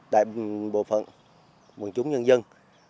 đại bộ phận quần chúng nhân dân